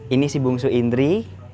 ini si bungsu indri